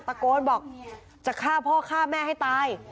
ตะโกนบอกจะฆ่าพ่อฆ่าแม่ให้ตาย